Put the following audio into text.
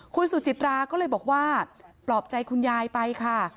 คุณสุจิตราก็เลยบอกว่าปลอบใจคุณยายไปค่ะ